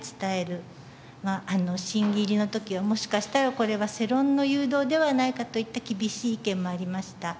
審議入りの時はもしかしたらこれは世論の誘導ではないかといった厳しい意見もありました。